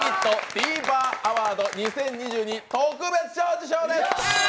Ｔｖｅｒアワード２０２２特別賞受賞です。